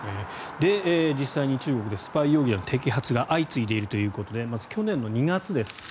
実際に、中国でスパイ容疑での摘発が相次いでいるということでまず去年２月です。